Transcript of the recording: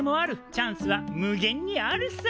チャンスは無限にあるさ！